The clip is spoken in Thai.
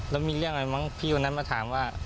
แล้วมีเรื่องอะไรมั้งพี่คนนั้นมาถามว่า